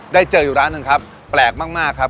เจออยู่ร้านหนึ่งครับแปลกมากครับ